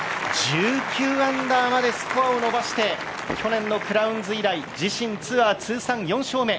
１９アンダーまでスコアを伸ばして去年のクラウンズ以来、自身ツアー通算４勝目。